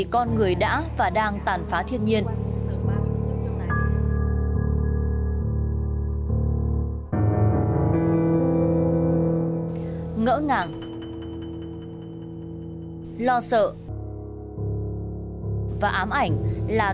các em nhìn em về